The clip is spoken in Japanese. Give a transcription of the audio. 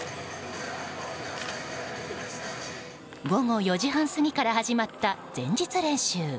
午後４時半過ぎから始まった前日練習。